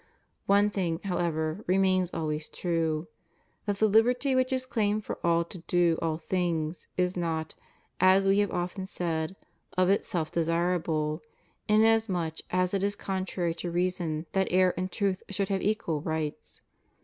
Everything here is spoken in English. One thing, however, remains always true —• that the Uberty which is claimed for all to do rll things is not, as We have often said, of itself desirable, inasmuch as it is contrary to reason that error and truth should have equal rights.